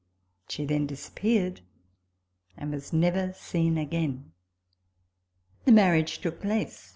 She then disappeared, and was never seen again. The marriage took place.